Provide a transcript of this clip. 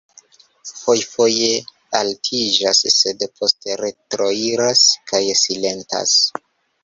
fojfoje altiĝas, sed poste retroiras kaj silentas.